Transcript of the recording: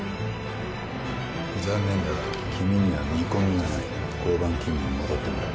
「残念だが君には見込みがない」「交番勤務に戻ってもらう」